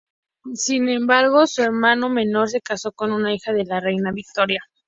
Sin embargo, su hermano menor se casó con una hija de la reina Victoria.